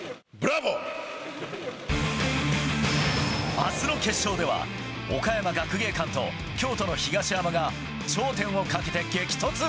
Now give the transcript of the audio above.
あすの決勝では、岡山学芸館と京都の東山が頂点をかけて激突。